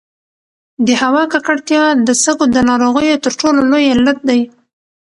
د هوا ککړتیا د سږو د ناروغیو تر ټولو لوی علت دی.